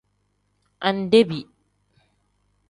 Andebi.